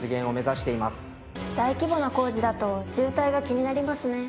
大規模な工事だと渋滞が気になりますね。